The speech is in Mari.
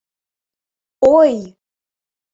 Ой!..